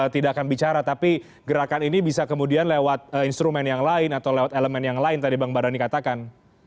tidak akan bicara tapi gerakan ini bisa kemudian lewat instrumen yang lain atau lewat elemen yang lain tadi bang badani katakan